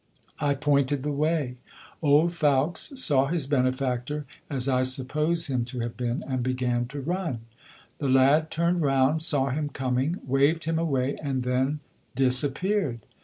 I pointed the way. Old Fowkes saw his benefactor (as I suppose him to have been) and began to run. The lad turned round, saw him coming, waved him away, and then disappeared.